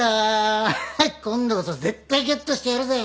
今度こそ絶対ゲットしてやるぜ。